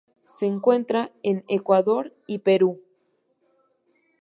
Se encuentra en Ecuador y Perú.